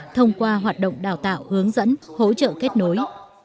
thông qua hoạt động đào tạo hướng dẫn hỗ trợ kết nối